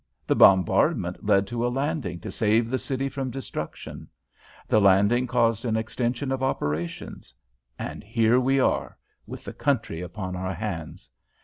The bombardment led to a landing to save the city from destruction. The landing caused an extension of operations and here we are, with the country upon our hands.